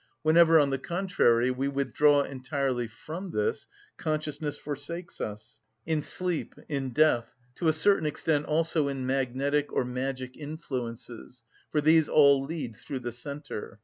Whenever, on the contrary, we withdraw entirely from this, consciousness forsakes us,—in sleep, in death, to a certain extent also in magnetic or magic influences; for these all lead through the centre.